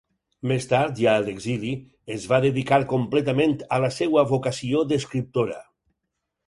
Més tard ja a l'exili es va dedicar completament a la seva vocació d'escriptora.